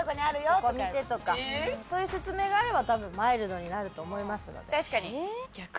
「ここ見て」とかそういう説明があれば多分マイルドになると思いますので。